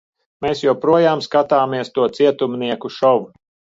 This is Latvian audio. Mēs joprojām skatāmies to cietumnieku šovu.